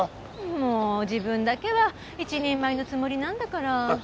もう自分だけは一人前のつもりなんだから。